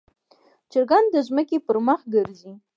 چرګان د ځمکې پر مخ ګرځي.